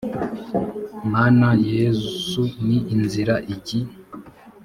mana yesu ni inzira igi